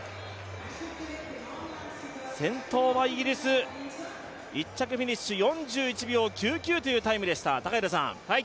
先頭はイギリス、１着フィニッシュ４１秒１９というタイムでした。